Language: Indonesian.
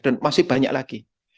dan masih banyak lagi